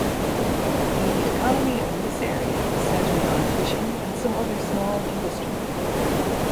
The economy of this area is centered on fishing and some other small industries.